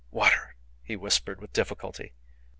"Water," he whispered, with difficulty.